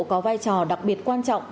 có vai trò đặc biệt quan trọng